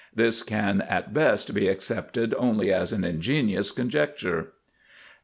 This can at best be accepted only as an ingenious conjecture.